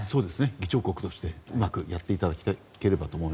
議長国としてうまくやっていただければと。